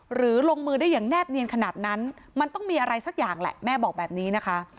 ลงมือได้อย่างแนบเนียนขนาดนั้นมันต้องมีอะไรสักอย่างแหละแม่บอกแบบนี้นะคะ